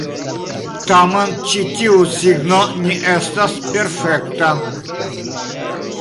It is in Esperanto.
Tamen, ĉi tiu signo ne estas perfekta.